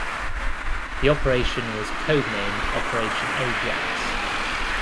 The operation was code-named Operation Ajax.